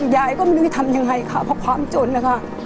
ยายก็ไม่รู้จะทำยังไงค่ะเพราะความจนนะคะ